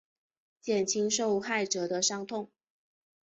减轻受害者的伤痛